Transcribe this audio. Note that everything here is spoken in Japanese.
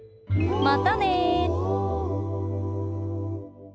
またね！